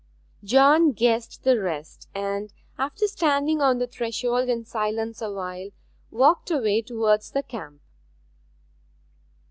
John guessed the rest, and, after standing on the threshold in silence awhile, walked away towards the camp.